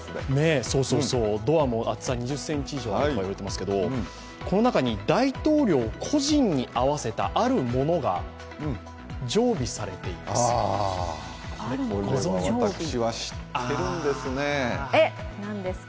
ドアも厚さ２０ｃｍ以上あると言われていますけど、この中に大統領個人に合わせたあるものが常備されています、ご存じですか？